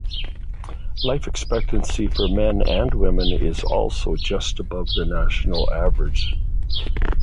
Life expectancy for men and women is also just above the national average.